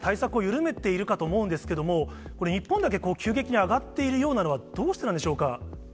松本先生、ＶＴＲでも、アメリカ、イングランドのほうが、対策を緩めているかと思うんですけれども、これ、日本だけ急激に上がっているようなのは、どうしてなんでしょうか。